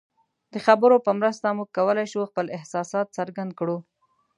د خبرو په مرسته موږ کولی شو خپل احساسات څرګند کړو.